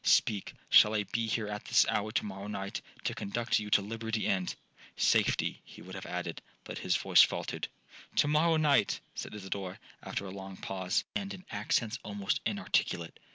Speak, shall I be here at this hour tomorrow night, to conduct you to liberty and'—Safety he would have added, but his voice faultered. 'To morrow night,' said Isidora, after a long pause, and in accents almost inarticulate.